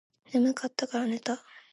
眠かったらから寝た